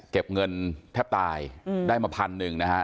เก็บเงินแทบตายได้มาพันหนึ่งนะฮะ